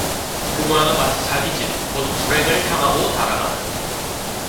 그 모양은 마치 자기 집, 곧 불행을 향하고 달아가는